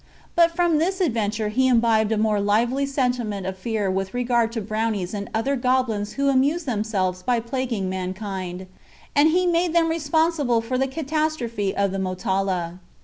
But from this adventure he imbibed a more lively sentiment of fear with regard to brownies and other goblins who amuse themselves by plaguing mankind, and he made them responsible for the catastrophe of the Motala.